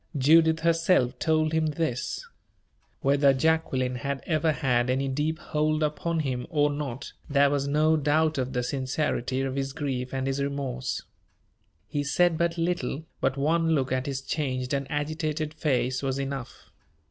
Judith herself told him this. Whether Jacqueline had ever had any deep hold upon him or not, there was no doubt of the sincerity of his grief and his remorse. He said but little, but one look at his changed and agitated face was enough.